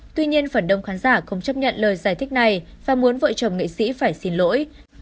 tuy nhiên phần đông khán giả không chấp nhận lời giải thích này và muốn vợ chồng nghệ sĩ phải xin lỗi